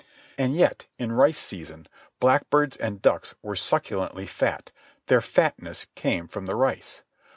And yet, in rice season, blackbirds and ducks were succulently fat. Their fatness came from the rice.